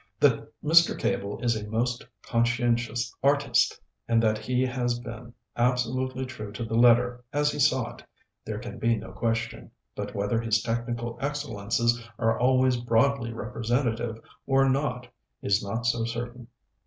That Mr. Cable is a most conscientious artist, and that he has been absolutely true to the letter as he saw it, there can be no question; but whether his technical excellences are always broadly representative or not is not so certain.